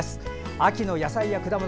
秋の野菜や果物